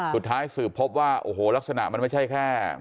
สืบพบว่าโอ้โหลักษณะมันไม่ใช่แค่